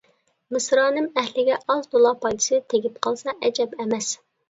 مىسرانىم ئەھلىگە ئاز-تولا پايدىسى تېگىپ قالسا ئەجەب ئەمەس.